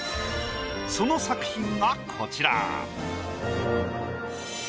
その作品がこちら。